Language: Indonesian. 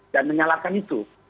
dan menyalahkan itu